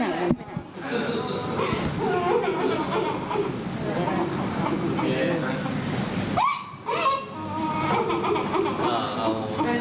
สาวมองมัน